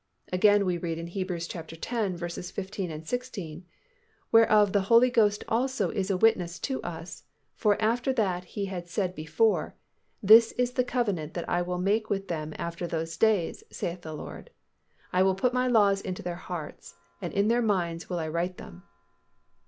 Again we read in Heb. x. 15, 16, "Whereof the Holy Ghost also is a witness to us: for after that He had said before, This is the covenant that I will make with them after those days, saith the Lord. I will put My laws into their hearts, and in their minds will I write them."